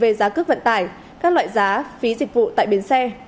về giá cước vận tải các loại giá phí dịch vụ tại bến xe